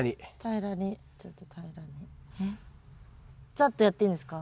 ざっとやっていいんですか？